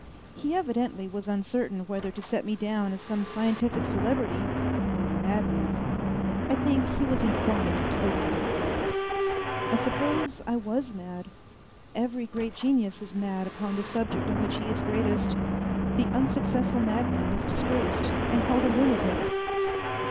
He evidently was uncertain whether to set me down as some scientific celebrity or a madman. I think he was inclined to the latter belief. I suppose I was mad. Every great genius is mad upon the subject in which he is greatest. The unsuccessful madman is disgraced and called a lunatic.